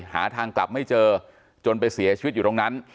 หาทางกลับไม่เจอจนไปเสียชีวิตอยู่ตรงนั้น